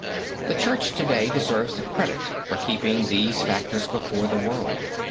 The Church to day deserves the credit for keeping these factors before the world.